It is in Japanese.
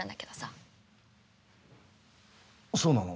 そうなの？